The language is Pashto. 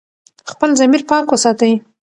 خپل ضمیر پاک وساتئ.